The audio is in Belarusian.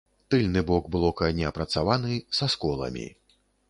Тыльны бок блока неапрацаваны, са сколамі.